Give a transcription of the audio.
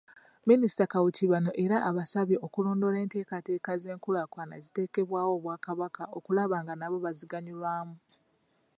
Minisita Kawuki bano era abasabye okulondoola enteekateeka z'enkulaakulana eziteekebwawo Obwakabaka okulaba nga nabo baziganyulwamu.